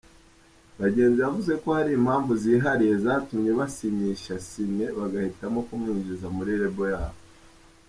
Bagenzi yavuze ko hari impamvu zihariye zatumye basinyisha Ciney bagahitamo kumwinjiza muri label yabo.